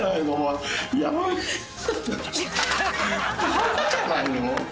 バカじゃないの？